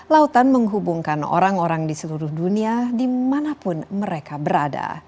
lautan menghubungkan orang orang di seluruh dunia dimanapun mereka berada